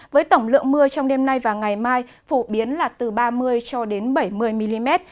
với tổng lượng mưa trong đêm nay và ngày mai phổ biến là từ ba mươi cho đến bảy mươi mm